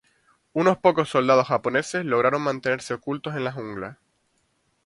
Unos pocos soldados japoneses lograron mantenerse ocultos en la jungla.